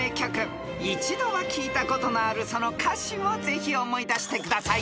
［一度は聞いたことのあるその歌詞をぜひ思い出してください］